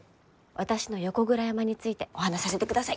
私の横倉山についてお話しさせてください！